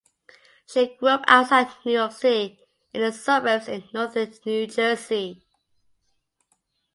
She grew up outside New York City in its suburbs in northern New Jersey.